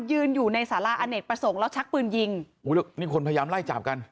ยืนอยู่ในสาราอเนกประสงค์แล้วชักปืนยิงอุ้ยแล้วนี่คนพยายามไล่จับกัน